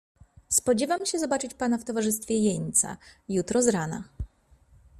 "Spodziewam się zobaczyć pana w towarzystwie jeńca, jutro z rana."